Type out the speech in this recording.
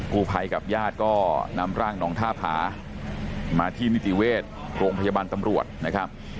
ผู้ภัยกับญาติก็นำร่างหนองท่าผามาที่นิติเวชโรงพยาบาลตำรวจนะครับ